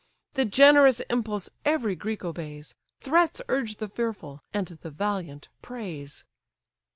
The generous impulse every Greek obeys; Threats urge the fearful; and the valiant, praise.